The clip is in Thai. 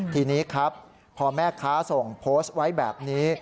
ทีนี้ครับพอแม่ค้าส่งโพสต์ไว้แบบนี้